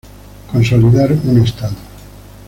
Consolidar un Estado.